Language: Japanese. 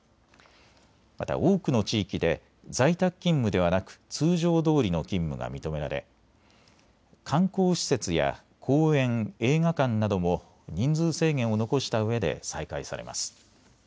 また多くの地域で在宅勤務ではなく通常どおりの勤務が認められ観光施設や公園、映画館なども人数制限を残したうえで再開されます。